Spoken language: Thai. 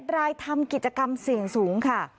๑รายทำกิจกรรมเสี่ยงสูงค่ะ